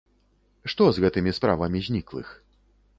Што з гэтымі справамі зніклых?